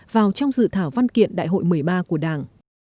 vào trong dự thảo văn kiện đại hội một mươi ba của đảng